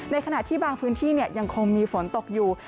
ขณะที่บางพื้นที่ยังคงมีฝนตกอยู่